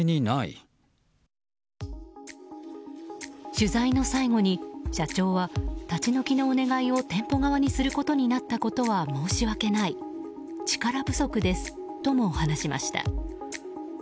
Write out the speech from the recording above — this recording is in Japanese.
取材の最後に、社長は立ち退きのお願いを店舗側にすることになったことは申し訳ない力不足ですとも話しました。